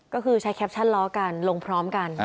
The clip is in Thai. ก็คือใช้แคปชั่นล้อกันลงพร้อมกัน